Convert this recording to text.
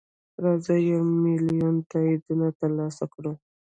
راځه یو میلیون تاییدونه ترلاسه کړو.